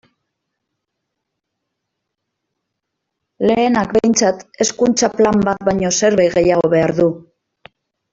Lehenak, behintzat, Hezkuntza Plan bat baino zerbait gehiago behar du.